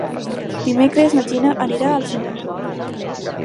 Dimecres na Gina anirà al cinema.